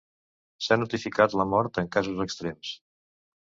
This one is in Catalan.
S’ha notificat la mort en casos extrems.